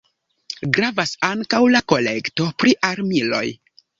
Gravas ankaŭ la kolekto pri armiloj.